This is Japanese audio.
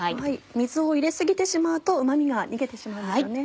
水を入れ過ぎてしまうとうま味が逃げてしまうんですよね。